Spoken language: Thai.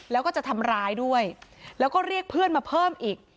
แล้วก็จะทำร้ายด้วยแล้วก็เรียกเพื่อนมาเพิ่มอีก